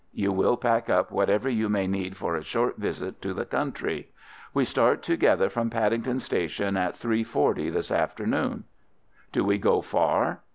You will pack up whatever you may need for a short visit to the country. We start together from Paddington Station at 3.40 this afternoon." "Do we go far?"